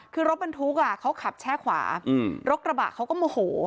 คือรถบรรทุกเขาขับแช่ขวารถกระบะเขาก็โมโห